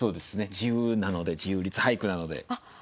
自由なので自由律俳句なので。